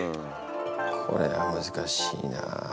これは難しいな。